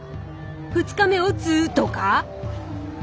「２日目おつ」とか？